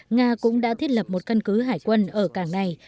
nga cũng đã thiết lập một căn cứ hải quân ở cảng này